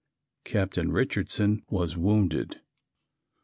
Captain Richardson was wounded.